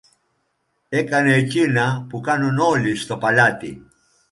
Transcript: Έκανε εκείνα που κάνουν όλοι στο παλάτι.